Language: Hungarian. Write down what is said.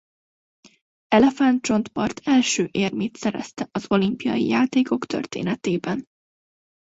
Elefántcsontpart első érmét szerezte az olimpiai játékok történetében.